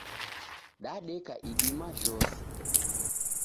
Dadeka idima jhose.